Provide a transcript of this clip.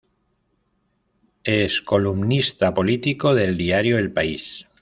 Es columnista político del diario El País.